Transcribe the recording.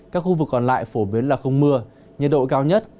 các khu vực còn lại phổ biến là không mưa nhiệt độ cao nhất